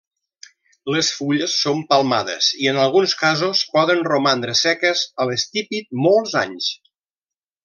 Les fulles són palmades i en alguns casos poden romandre seques a l'estípit molts anys.